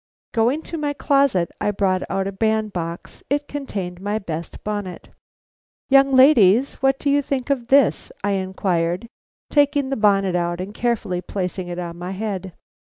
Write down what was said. Going to my closet, I brought out a band box. It contained my best bonnet. "Young ladies, what do you think of this?" I inquired, taking the bonnet out and carefully placing it on my head.